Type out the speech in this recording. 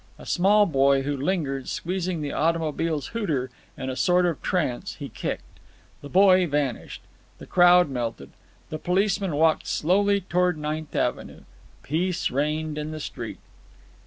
A small boy who lingered, squeezing the automobile's hooter, in a sort of trance he kicked. The boy vanished. The crowd melted. The policeman walked slowly toward Ninth Avenue. Peace reigned in the street.